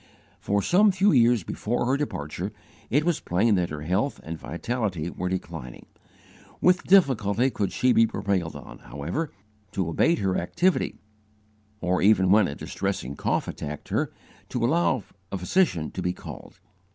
For some few years before her departure, it was plain that her health and vitality were declining. With difficulty could she be prevailed on, however, to abate her activity, or, even when a distressing cough attacked her, to allow a physician to be called.